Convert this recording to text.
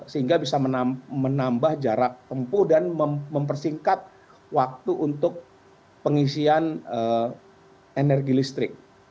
sehingga bisa menambah jarak tempuh dan mempersingkat waktu untuk pengisian energi listrik